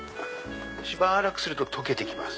しばらくすると溶けてきます